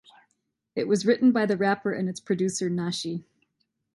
It was written by the rapper and its producer Nashi.